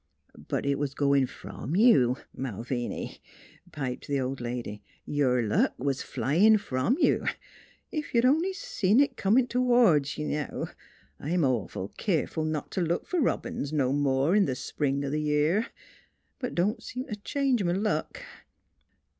" But 't was goin' from you, Malviny," piped the old lady. " Yer luck was flyin' from you. Ef you'd only seen it comin' t'wards you now! I'm awful keerful not t' look f'r robins no more in th' spring o' th' year. But 't don't seem t' change m' luck."